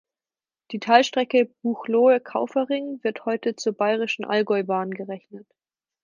Die Teilstrecke Buchloe–Kaufering wird heute zur bayerischen Allgäubahn gerechnet.